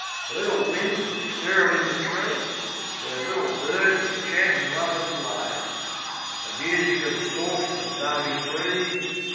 The little winds is stirrin' in the trees, Where little birds is chantin' lovers' lays; The music of the sorft an' barmy breeze...